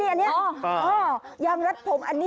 แล้วเธอยางรัดผมนี่อันนี้